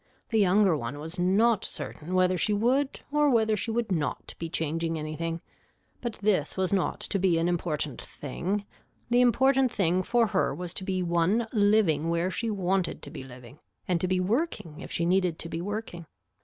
The younger one was not certain whether she would or whether she would not be changing anything but this was not to be an important thing, the important thing for her was to be one living where she wanted to be living and to be working if she needed to be working.